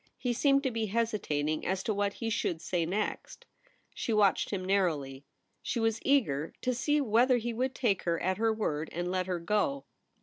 He seemed to be hesitating as to what he should say next. She watched him narrowly. She was eager to see whether he would take her at her word and let her go.